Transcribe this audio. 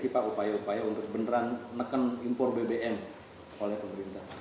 bagaimana cara untuk beneran menekan impor bbm oleh pemerintah